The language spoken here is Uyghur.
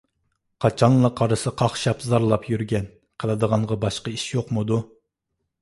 قاچانلا قارىسا قاقشاپ زارلاپ يۈرگەن. قىلىدىغانغا باشقا ئىش يوقمىدۇ؟